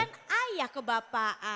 daddy kan ayah kebapaan